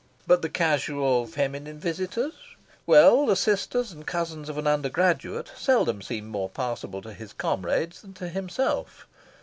But the casual feminine visitors? Well, the sisters and cousins of an undergraduate seldom seem more passable to his comrades than to himself.